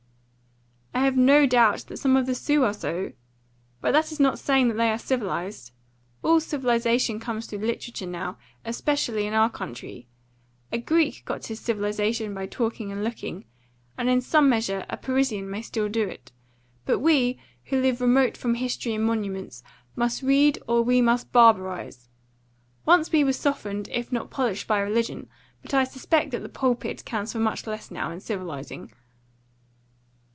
"I have no doubt that some of the Sioux are so. But that is not saying that they are civilised. All civilisation comes through literature now, especially in our country. A Greek got his civilisation by talking and looking, and in some measure a Parisian may still do it. But we, who live remote from history and monuments, we must read or we must barbarise. Once we were softened, if not polished, by religion; but I suspect that the pulpit counts for much less now in civilising."